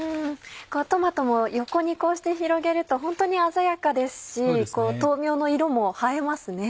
トマトも横にこうして広げるとホントに鮮やかですし豆苗の色も映えますね。